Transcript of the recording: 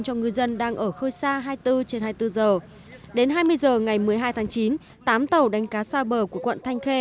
cho ngư dân đang ở khơi xa hai mươi bốn trên hai mươi bốn giờ đến hai mươi h ngày một mươi hai tháng chín tám tàu đánh cá xa bờ của quận thanh khê